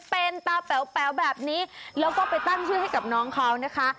เป็นตาแป๋วแบบนี้แล้วก็ไปตั้งชื่อให้กับน้องเขานะคะ